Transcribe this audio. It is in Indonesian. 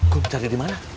kum cari di mana